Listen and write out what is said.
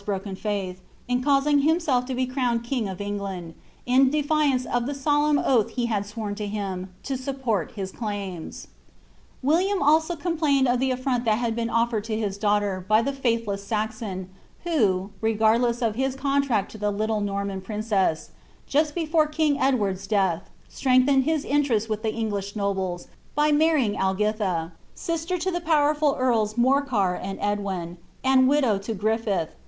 Ilkrold's broken fiuih, in cousing himsoir to be crowned king "f Eng land, in defiance of Ihe eolemn oath he had swoni to him, lo support lui cl&ima. Willtain alao complained of tlie aSront that bad been offered to hti daughter by the faithlesB Saxon, who, resanlleBs of his conliafl io the litilo Norman princess, just before king Edward's death, strengthened bis interest with the English nobles, by mnrrying Algiiha, sister to the pow erful FDrls Morcar and Edwin, and widow lo GritTith.